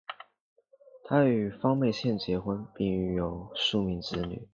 他与方佩倩结婚并育有数名子女。